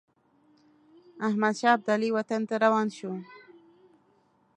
احمدشاه ابدالي وطن ته روان شو.